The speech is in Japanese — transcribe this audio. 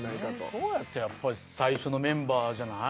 そうなるとやっぱり最初のメンバーじゃない？